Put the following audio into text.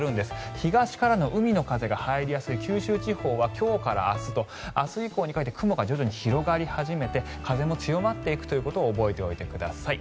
東からの海の風が入りやすい九州地方は今日から明日と明日以降にかけて雲が徐々に広がり始めて風も強まっていくということを覚えておいてください。